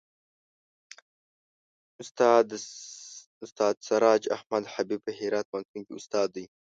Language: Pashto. استاد سراج احمد حبیبي په هرات پوهنتون کې استاد دی.